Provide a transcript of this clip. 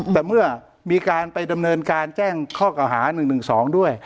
แต่เมื่อมีการไปดำเนินการแจ้งข้อเก่าหา๑๑๒ด้วย